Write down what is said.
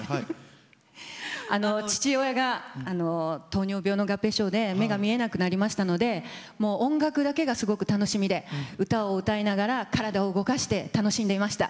父親が糖尿病の合併症で目が見えなくなりましたので音楽だけがすごく楽しみで歌を歌いながら体を動かして、楽しんでいました。